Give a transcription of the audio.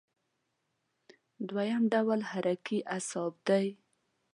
دویم ډول حرکي اعصاب دي.